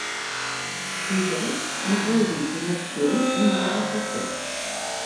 Dijous en Rauric i na Txell aniran a Falset.